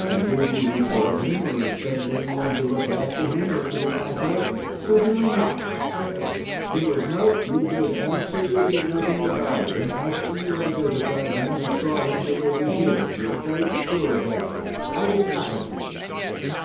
Did you report him or send anyone to look after him or anything like that?" "Certainly not," she answered. "He was no " "You did absolutely nothing about him after you identified him and saw him delivered here? You're quite sure of that?" "I did nothing."